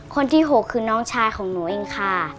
คนที่๖คือน้องชายของหนูเองค่ะ